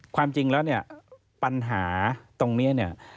ความจริงแล้วปัญหาตรงนี้